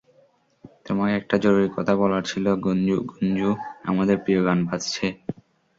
তোমাকে একটা জরুরি কথা বলার ছিল গুঞ্জু, আমাদের প্রিয় গান বাজছে।